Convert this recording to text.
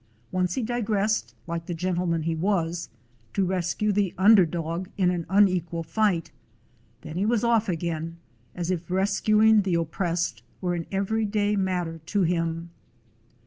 Once he digressed, like the gentleman he was, to rescue the under dog in an unequal fight ; then he was off again, as if rescuing the oppressed were an every day matter to him.